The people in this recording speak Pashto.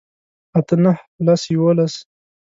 اتۀ نهه لس يوولس